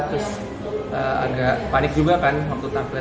terus agak panik juga kan waktu tampil